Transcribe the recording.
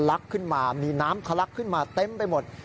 ลักขึ้นมามีน้ำทะลักขึ้นมาเต็มไปหมด